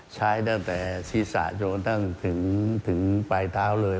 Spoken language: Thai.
ใช้ตั้งแต่ศีรษะจนถึงปลายเท้าเลย